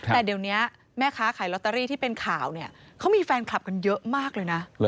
แต่เดี๋ยวนี้แม่ค้าขายลอตเตอรี่ที่เป็นข่าวเนี่ยเขามีแฟนคลับกันเยอะมากเลยนะ